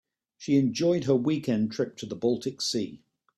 She enjoyed her weekend trip to the baltic sea.